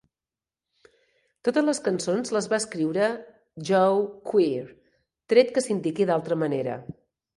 Totes les cançons les va escriure Joe Queer, tret que s'indiqui d'altre manera.